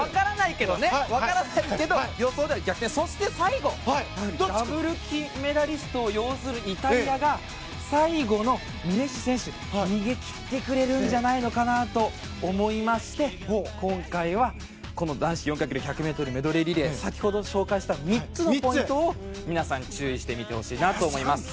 そして、最後ダブル金メダリストを擁するイタリアが最後のミレッシ選手逃げ切ってくれるんじゃないかと思いまして今回はこの男子４×１００ｍメドレーリレー先ほど紹介した３つのポイントを皆さん、注意して見てほしいなと思います。